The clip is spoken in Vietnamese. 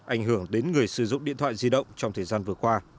ảnh hưởng đến người sử dụng điện thoại di động trong thời gian vừa qua